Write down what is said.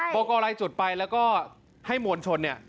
บอร์กอลัยจุดไปแล้วให้มวลชน